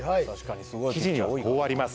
記事にはこうあります